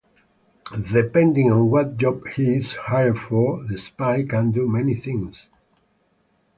Depending on what job he is hired for, the spy can do many things.